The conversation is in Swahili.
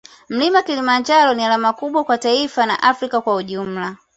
mlima Kilimanjaro ni alama kubwa kwa taifa na afrika kwa ujumla